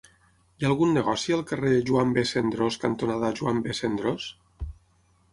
Hi ha algun negoci al carrer Joan B. Cendrós cantonada Joan B. Cendrós?